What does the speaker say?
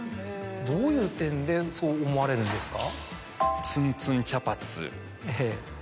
どういう点でそう思われるんですか？